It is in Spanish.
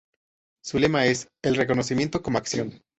Su lema es "El conocimiento como acción".